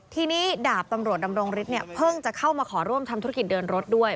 ทีนี้ดาบตำรวจดำรงฤทธิ์เนี่ยเพิ่งจะเข้ามาขอร่วมทำธุรกิจเดินรถด้วย